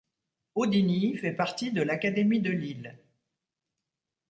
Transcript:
Audignies fait partie de l'académie de Lille.